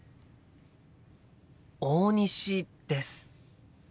大西です。